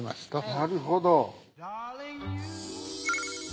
なるほど。